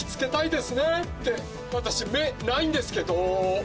「って私目ないんですけど」